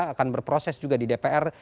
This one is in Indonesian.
akan berproses juga di dpr